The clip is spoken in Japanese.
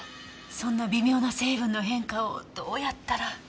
そんな微妙な成分の変化をどうやったら。